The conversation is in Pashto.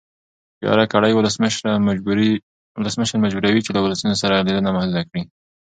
یاده کړۍ ولسمشر مجبوروي چې له ولسونو سره لیدنه محدوده کړي.